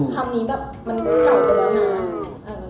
คำนี้แบบมันเก่าไปแล้วนะ